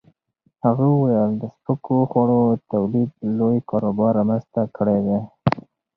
هغه وویل د سپکو خوړو تولید لوی کاروبار رامنځته کړی دی.